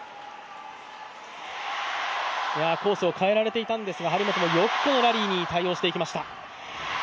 コースを変えられていたんですが、張本もよくこのラリーに対応していきました。